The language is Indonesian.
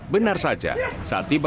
benar saja saat tiba